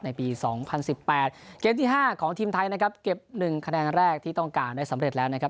ในปี๒๐๑๘เกมที่๕ของทีมไทยนะครับเก็บ๑คะแนนแรกที่ต้องการได้สำเร็จแล้วนะครับ